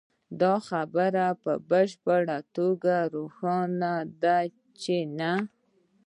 دا خبره په بشپړه توګه روښانه ده چې نه